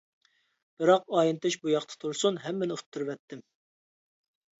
بىراق ئاينىتىش بۇياقتا تۇرسۇن، ھەممىنى ئۇتتۇرۇۋەتتىم.